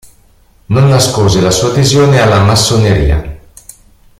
Non nascose la sua adesione alla massoneria.